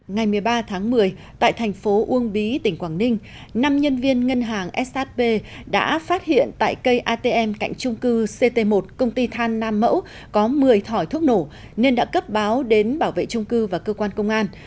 ngày một mươi ba tháng một mươi tại thành phố uông bí tỉnh quảng ninh năm nhân viên ngân hàng shb đã phát hiện tại cây atm cạnh trung cư ct một công ty than nam mẫu có một mươi thỏi thuốc nổ nên đã cấp báo đến bảo vệ trung cư và cơ quan công an